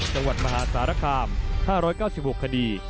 จังหวัดมหาศาลคาม๕๙๖คดี